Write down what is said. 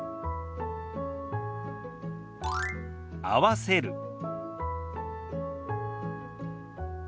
「合わせる」。